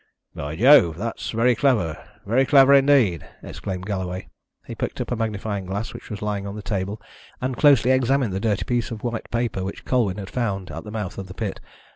"By Jove, that's very clever, very clever indeed!" exclaimed Galloway. He picked up a magnifying glass which was lying on the table, and closely examined the dirty piece of white paper which Colwyn had found at the mouth of the pit.